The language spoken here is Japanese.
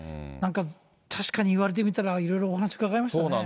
なんか確かに言われてみたら、いろいろお話伺いましたね。